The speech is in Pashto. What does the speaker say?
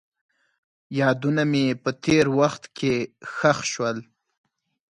یادونه مې په تېر وخت کې ښخ شول.